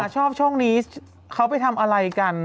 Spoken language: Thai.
ชอบช่องนี้เขาไปทำอะไรกัน